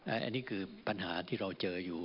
อันนี้คือปัญหาที่เราเจออยู่